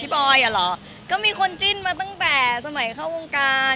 บอยอ่ะเหรอก็มีคนจิ้นมาตั้งแต่สมัยเข้าวงการ